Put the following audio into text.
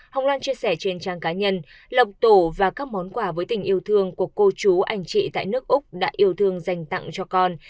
hồng loan chia sẻ trên trang cá nhân lộc tổ và các món quà với tình yêu thương của cô chú anh chị tại nước úc đã yêu thương dành tặng cho con